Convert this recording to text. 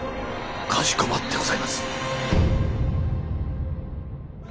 かしこまってございます。